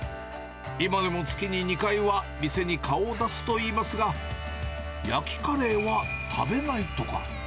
今でも月に２回は店に顔を出すといいますが、焼きカレーは食べないとか。